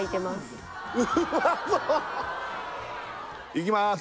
いきまーす